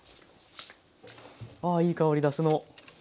ああいい香りだしの。